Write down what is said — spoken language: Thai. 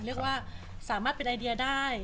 เรียกว่าสามารถเป็นไอเดียได้